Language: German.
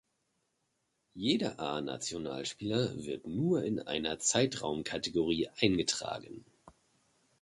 Jeder A-Nationalspieler wird nur in einer Zeitraum-Kategorie eingetragen.